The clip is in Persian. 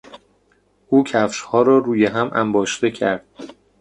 او کفشها را روی هم انباشته کرد.